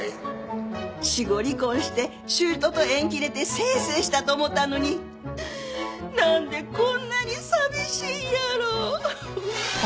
死後離婚して姑と縁切れて清々したと思ったのに何でこんなに寂しいんやろう。